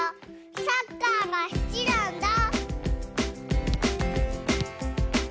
サッカーが好きなんだ！